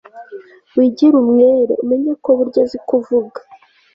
wigira umwere umenye ko burya azi kuvuga